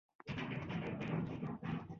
د زیتون غر یوازې یوه جیولوجیکي پدیده نه ده.